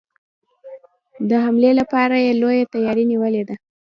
د حملې لپاره یې لويه تیاري نیولې ده.